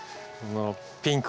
ピンクの。